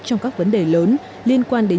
trong các vấn đề lớn liên quan đến